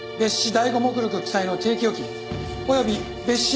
第五目録記載の定期預金及び別紙